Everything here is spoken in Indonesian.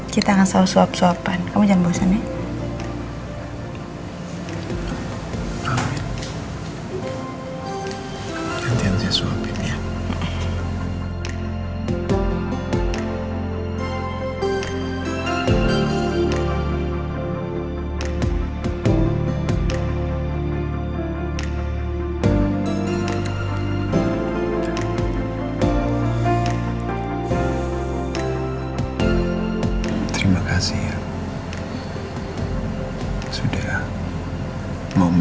kita akan selalu sop sopan kamu jangan bawa bau